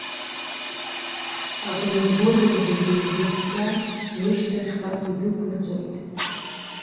Акыр рбозар зегьы еизыҳәҳәа рышьҭахьҟа идәықәырҵоит.